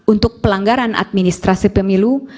untuk pelanggaran administrasi pemilu